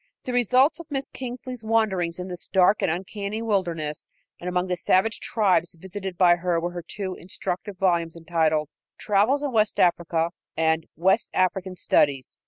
The results of Miss Kingsley's wanderings in this dark and uncanny wilderness and among the savage tribes visited by her were her two instructive volumes entitled Travels in West Africa and West African Studies.